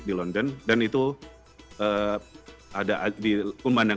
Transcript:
kemudian besoknya di trafalgar square itu ada sekitar dua empat ratus orang